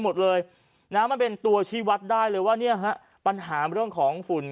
หมดเลยนะมันเป็นตัวชี้วัดได้เลยว่าเนี่ยฮะปัญหาเรื่องของฝุ่น